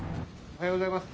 おはようございます。